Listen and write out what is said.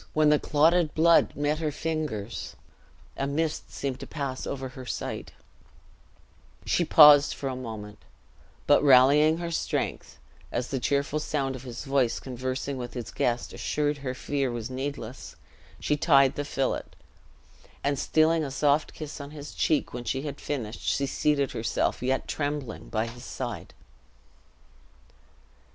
when the clotted blood met her fingers, a mist seemed to pass over her sight; she paused for a moment; but rallying her strength, as the cheerful sound of his voice conversing with his guest assured her fear was needless, she tied the fillet; and, stealing a soft kiss on his cheek when she had finished, she seated herself, yet trembling, by his side.